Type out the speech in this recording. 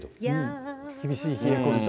厳しい冷え込みと。